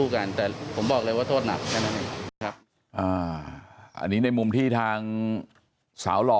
คับเอออันนี้ในมุมทิศทางสาวหล่อ